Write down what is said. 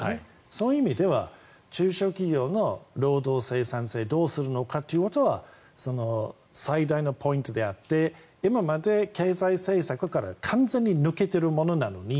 そういう意味では中小企業の労働生産性どうするのかっていうことが最大のポイントであって今まで経済政策から完全に抜けているものなのに。